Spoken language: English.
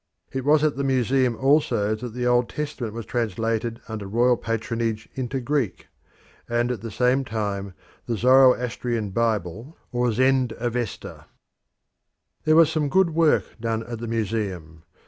It was at the Museum also that the Old Testament was translated under royal patronage into Greek, and at the same time the Zoroastrian Bible or Zend Avesta. There was some good work done at the Museum.